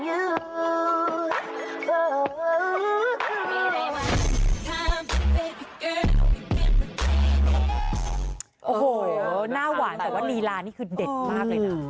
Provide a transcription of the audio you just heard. โอ้โหหน้าหวานแต่ว่าลีลานี่คือเด็ดมากเลยนะ